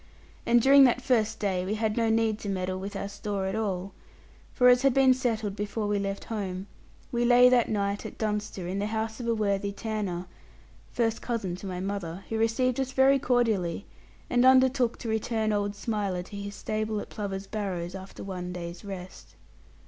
And during that first day we had no need to meddle with our store at all; for as had been settled before we left home, we lay that night at Dunster in the house of a worthy tanner, first cousin to my mother, who received us very cordially, and undertook to return old Smiler to his stable at Plover's Barrows, after one day's rest.